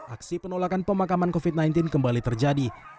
aksi penolakan pemakaman covid sembilan belas kembali terjadi